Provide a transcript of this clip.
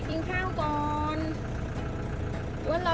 กินข้าวขอบคุณครับ